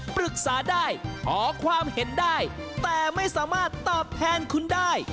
ปรึกษาได้ขอความเห็นได้แต่ไม่สามารถตอบแทนคุณได้